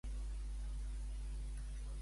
Com descriu l'actuació de l'extrema dreta?